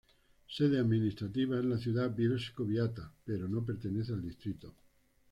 Sede administrativa es la ciudad Bielsko-Biała pero no pertenece al distrito.